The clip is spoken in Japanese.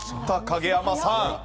影山さん。